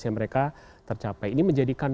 yang mereka tercapai ini menjadikan